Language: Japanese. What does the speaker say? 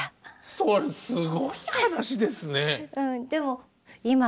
それすごい話ですね。